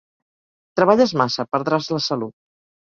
Treballes massa: perdràs la salut.